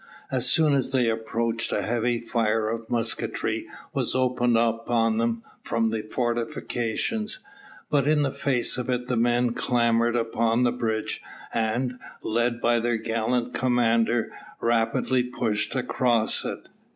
As soon as they appeared a heavy fire of musketry was opened on them from the fortifications; but in the face of it the men clambered upon the bridge and, led by their gallant commander, rapidly pushed on across it.